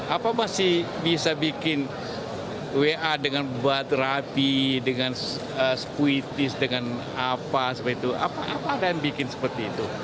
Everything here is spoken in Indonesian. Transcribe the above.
apa masih bisa bikin wa dengan rapi dengan sepuitis dengan apa apa ada yang bikin seperti itu